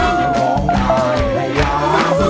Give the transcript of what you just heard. ร้องได้ร้องได้ร้องได้